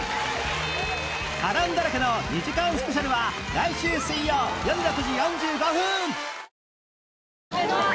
波乱だらけの２時間スペシャルは来週水曜よる６時４５分